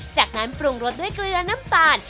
จากนั้นปรุงรสด้วยเกลือน้ำตาล